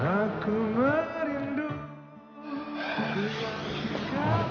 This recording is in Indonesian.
aku marilah aku kaget ya